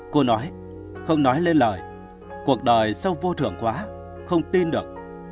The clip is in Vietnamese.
cô nói không nói lên lời cuộc đời sau vô thường quá không tin được